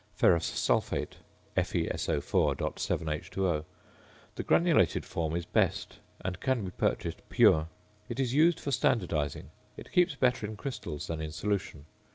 ~Ferrous Sulphate~, FeSO_.7H_O. The granulated form is best, and can be purchased pure. It is used for standardising. It keeps better in crystals than in solution.